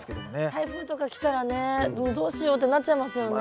台風とか来たらねどうしようってなっちゃいますよね。